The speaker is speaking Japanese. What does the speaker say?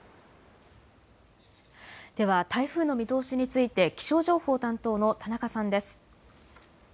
では台風の見通しについて気象情報担当の田中さんです。